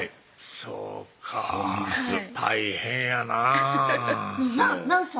そうか大変やなぁ何歳？